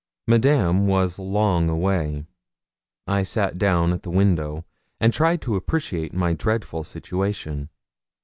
Madame was long away. I sat down at the window, and tried to appreciate my dreadful situation.